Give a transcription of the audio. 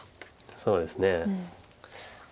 そうですね。